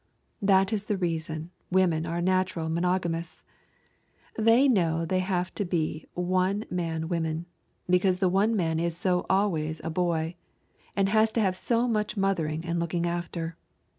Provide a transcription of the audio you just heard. That is the reason women are natural monogamists. They know they have to be one man women, because the one man is so always a boy, and has to have so much mothering and looking after.